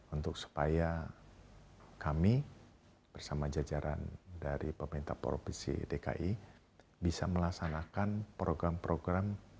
untuk supaya kami bersama jajaran dari pemerintah provinsi dki bisa melaksanakan program program